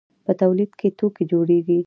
په تولید کې توکي جوړیږي.